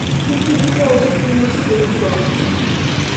পৃথিবীতে অনেক জিনিসই দেখি নাই।